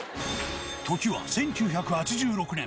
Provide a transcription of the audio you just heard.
時は１９８６年